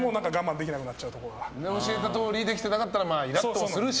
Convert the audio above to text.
それで教えたとおりできていなかったらイラッともするし。